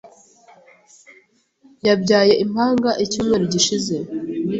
Yabyaye impanga icyumweru gishize .